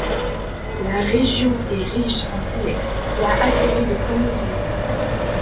La région est riche en silex, qui a attiré les premiers humains.